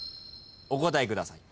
お答えください。